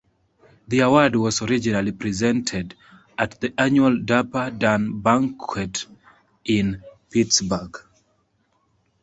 The award was originally presented at the annual Dapper Dan Banquet in Pittsburgh.